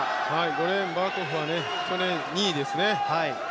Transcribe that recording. ５レーン、バーコフは去年２位ですね。